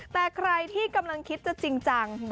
แต่ใครที่กำลังคิดจะจริงจัง